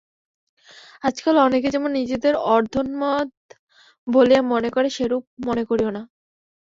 আজকাল অনেকে যেমন নিজেদের অর্ধোন্মাদ বলিয়া মনে করে, সেরূপ মনে করিও না।